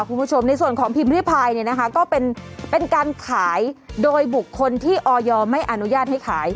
คุณผู้ชมในส่วนของพิมพ์ริพายเนี่ยนะคะก็เป็นการขายโดยบุคคลที่ออยไม่อนุญาตให้ขาย